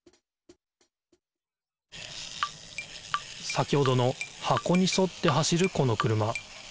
先ほどの箱にそって走るこの車。